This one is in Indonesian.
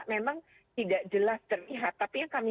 memang tidak jelas terlihat tapi yang kami